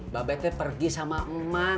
mbak betel pergi sama emak